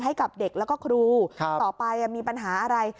ให้กับเด็กแล้วก็ครูต่อไปมีปัญหาอะไร